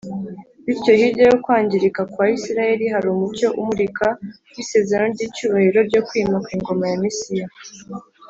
. Bityo hirya yo kwangirika kwa Isiraheli hari umucyo umurika w’isezerano ry’icyubahiro ryo kwima kw’ingoma ya Mesiya.